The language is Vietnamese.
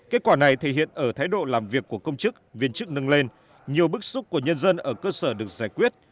kết quả này thể hiện ở thái độ làm việc của công chức viên chức nâng lên nhiều bức xúc của nhân dân ở cơ sở được giải quyết